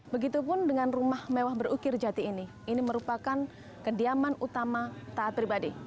begitupun dengan rumah mewah berukir jati ini ini merupakan kediaman utama taat pribadi